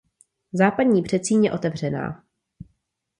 Západní předsíň je otevřená.